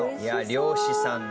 漁師さん。